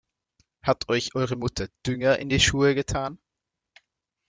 Hat euch eure Mutter Dünger in die Schuhe getan?